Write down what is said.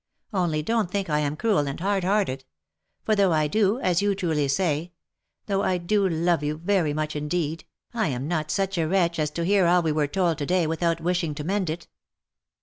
Only don't think I am cruel and hard hearted ; for though Ido — as you truly say — though I do love you very very much indeed, I am not such a wretch as to hear all we were told to day without wishing to mend it."